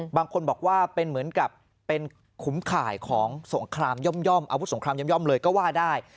บางคนบอกว่าเป็นเหมือนกับเป็นขุมข่ายของสงครามย่อมอาวุธสงครามย่อมเลยก็ว่าได้